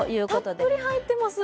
たっぷり入ってます。